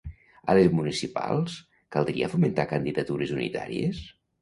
A les municipals, caldria fomentar candidatures unitàries?